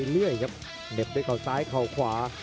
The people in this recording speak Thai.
เหน็บด้วยเขาซ้ายเขาขวา